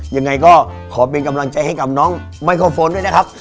ยังไงก็ขอเป็นกำลังใจให้กับน้องไมโครโฟนด้วยนะครับ